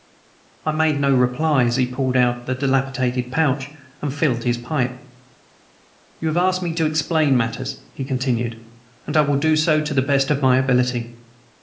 I made no reply, as he pulled out the dilapidated pouch and filled his pipe. "You have asked me to explain matters," he continued, "and I will do so to the best of my ability.